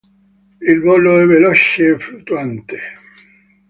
Il volo è veloce e fluttuante.